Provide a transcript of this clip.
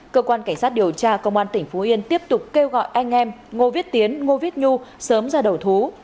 cơ quan cảnh sát điều tra công an tỉnh phú yên tiếp tục kêu gọi anh em ngô viết tiến ngô viết nhu sớm ra đầu thú